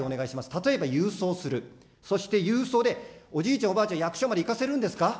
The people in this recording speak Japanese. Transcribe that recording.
例えば郵送する、そして郵送で、おじいちゃん、おばあちゃん、役所まで行かせるんですか。